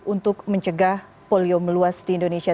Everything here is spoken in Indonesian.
untuk mencegah polio meluas di indonesia